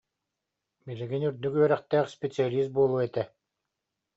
Билигин үрдүк үөрэхтээх специалист буолуо этэ